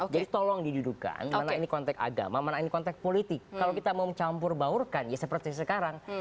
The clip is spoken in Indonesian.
jadi tolong didudukan mana ini konteks agama mana ini konteks politik kalau kita mau campur baurkan ya seperti sekarang